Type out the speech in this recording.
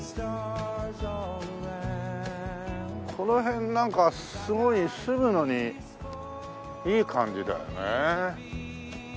この辺なんかすごい住むのにいい感じだよね。